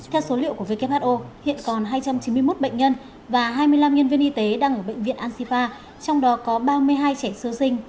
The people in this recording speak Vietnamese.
theo số liệu của who hiện còn hai trăm chín mươi một bệnh nhân và hai mươi năm nhân viên y tế đang ở bệnh viện ansifa trong đó có ba mươi hai trẻ sơ sinh